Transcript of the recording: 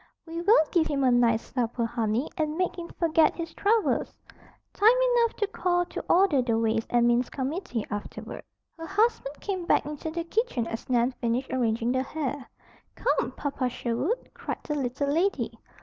"We will give him a nice supper, honey, and make him forget his troubles. Time enough to call to order the ways and means committee afterward." Her husband came back into the kitchen as Nan finished arranging the hair. "Come, Papa Sherwood!" cried the little lady.